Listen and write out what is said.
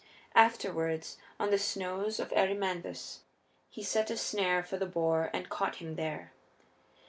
Afterward, on the snows of Erymanthus, he set a snare for the boar and caught him there.